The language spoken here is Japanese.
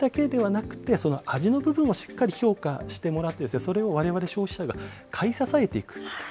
なので見た目だけではなくて、味の部分をしっかり評価してもらって、それをわれわれ消費者が買い支えていく。